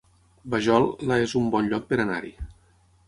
Vajol, la es un bon lloc per anar-hi